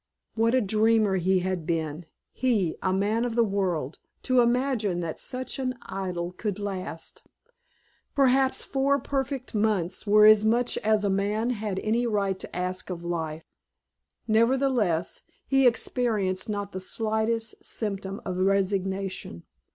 What a dreamer he had been, he, a man of the world, to imagine that such an idyll could last. Perhaps four perfect months were as much as a man had any right to ask of life. Nevertheless, he experienced not the slightest symptom of resignation.